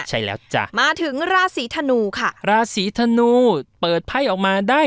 ใช่แล้วจ้ะมาถึงราศีธนูค่ะราศีธนูเปิดไพ่ออกมาได้